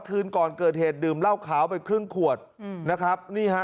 คืนก่อนเกิดเหตุดื่มเหล้าขาวไปครึ่งขวดอืมนะครับนี่ฮะ